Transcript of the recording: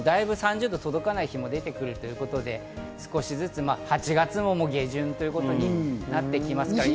届かない日も出てくるということで少しずつ８月ももう下旬ということになってきますから。